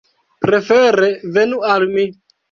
Prefere venu al mi.